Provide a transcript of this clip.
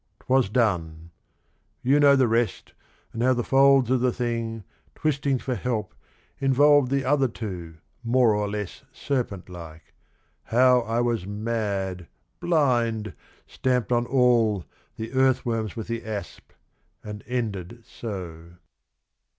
'T was done: You know the rest and how the folds o' the thing, Twisting for help, involved the other two More or less serpent like : how I was mad, Blind, stamped on all, the earth worms with the asp, And ended so."